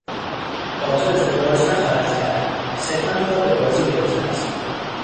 با تو ازدواج نخواهد کرد، صرفا تو را به بازی گرفته است.